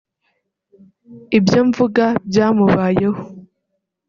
ibyo mvuga byamubayeho